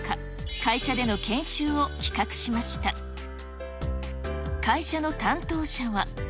会社の担当者は。